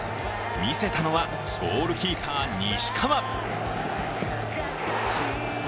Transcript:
見せたのはゴールキーパー・西川。